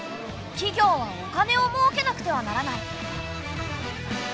企業はお金をもうけなくてはならない。